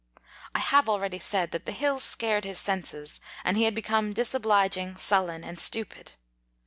I have already said, that the hills scared his senses, and he had be come disobliging, sullen, and stupid.